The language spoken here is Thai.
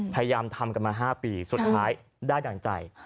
พยายามทำกันมา๕ปีสุดท้ายได้ดั่งใจ